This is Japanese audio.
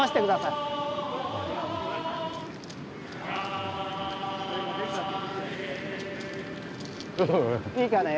いいかね。